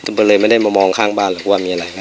ก็เลยไม่ได้มามองข้างบ้านหรอกว่ามีอะไร